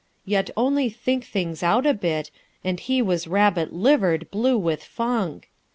Yet, only think things out a bit, And he was rabbit livered, blue with funk!